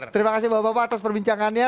terima kasih bapak bapak atas perbincangannya